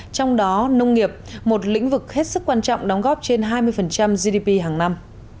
trong đó nông nghiệp một lĩnh vực hết sức quan trọng đóng góp trên hai mươi gdp hàng năm